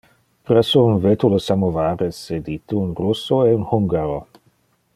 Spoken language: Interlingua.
Presso un vetule samovar es sedite un russo e un hungaro.